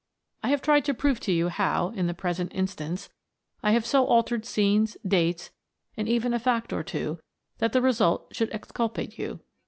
I have tried to prove to you how, in the present instance, I have so altered scenes, dates — and even a fact or two — that the result should exculpate you.